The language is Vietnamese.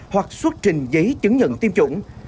hoặc xuất trình giấy chứng nhận tiêm chủng